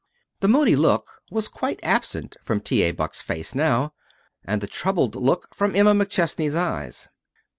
The moody look was quite absent from T. A. Buck's face now, and the troubled look from Emma McChesney's eyes.